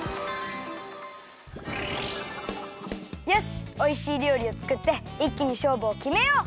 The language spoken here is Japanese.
よしおいしいりょうりをつくっていっきにしょうぶをきめよう。